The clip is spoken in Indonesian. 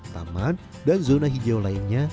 taman dan zona hijau lainnya